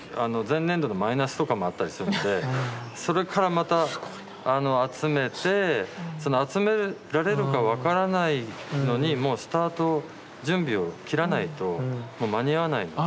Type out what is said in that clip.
前年度のマイナスとかもあったりするのでそれからまた集めて集められるか分からないのにもうスタート準備を切らないともう間に合わないので。